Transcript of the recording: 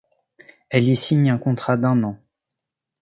Elle y signe un contrat d'un an.